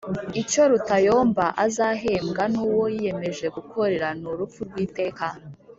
Icyo Rutayomba azahembwa n'uwo yiyemeje gukorera, ni urupfu rw'iteka.